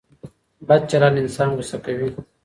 بد چلند انسان غوسه کوي.